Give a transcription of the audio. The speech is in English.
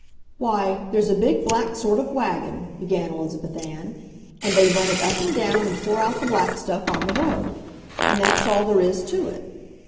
"Why, there's a big black sort of wagon," began Elizabeth Ann, "and they run it up and down and pour out the black stuff on the road. And that's all there is to it."